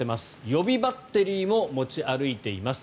予備バッテリーも持ち歩いています。